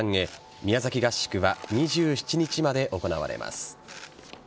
宮崎合宿は２７日まで行われます。